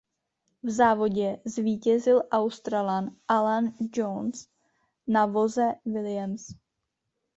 V závodě zvítězil Australan Alan Jones na voze Williams.